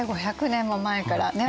５００年も前からね。